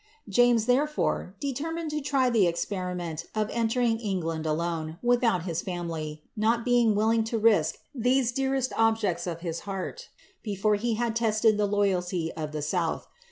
James, therefore, determined to try the experiment of entering England alone, without his family, not being willing* to risk these dearest objects of his heart before he had tested the loyalty of the south.